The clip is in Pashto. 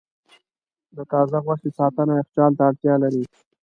د تازه غوښې ساتنه یخچال ته اړتیا لري.